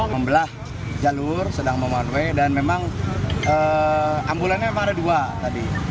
membelah jalur sedang memoneway dan memang ambulannya memang ada dua tadi